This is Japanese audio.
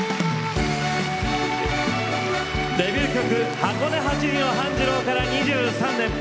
デビュー曲「箱根八里の半次郎」から２３年。